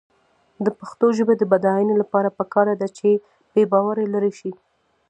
د پښتو ژبې د بډاینې لپاره پکار ده چې بېباوري لرې شي.